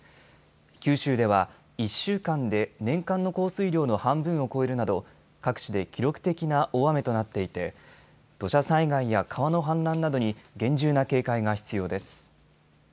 九州では１週間で年間の降水量の半分を超えるなど各地で記録的な大雨となっていて土砂災害や川の氾濫などに厳重な警戒が必要です。